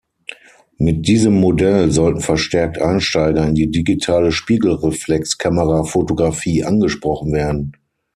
Mit diesem Modell sollten verstärkt Einsteiger in die digitale Spiegelreflexkamera-Fotografie angesprochen werden.